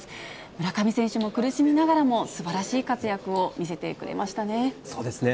村上選手も、苦しみながらも、すばらしい活躍を見せてくれましそうですね。